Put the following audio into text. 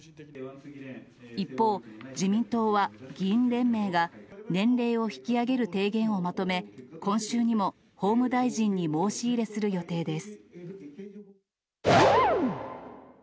一方、自民党は議員連盟が、年齢を引き上げる提言をまとめ、今週にも法務大臣に申し入れする予定です。